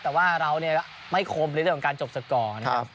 แต่ว่าเราไม่ขอบเลยเรื่องการจบสกรนะครับ